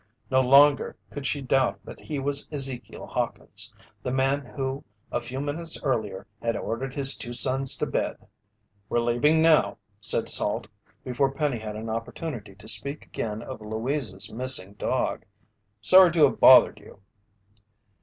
No longer could she doubt that he was Ezekiel Hawkins, the man who a few minutes earlier had ordered his two sons to bed. "We're leaving now," said Salt, before Penny had an opportunity to speak again of Louise's missing dog. "Sorry to have bothered you."